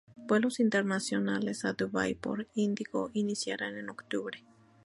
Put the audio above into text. Vuelos internacionales a Dubái por IndiGo iniciarán en octubre.